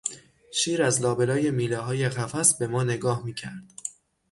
شیر از لا به لای میلههای قفس به ما نگاه میکرد.